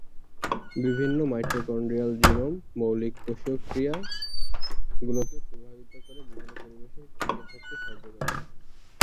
বিভিন্ন mitochondrial genome মৌলিক কোষীয় ক্রিয়া গুলোকে প্রভাবিত করে বিভিন্ন পরিবেশে টিকে থাকতে সাহায্য করে।